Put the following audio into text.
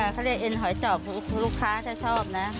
เขาเรียกเอ็นหอยจอกลูกค้าจะชอบนะ